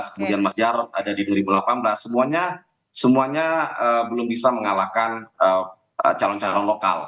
kemudian mas jarod ada di dua ribu delapan belas semuanya belum bisa mengalahkan calon calon lokal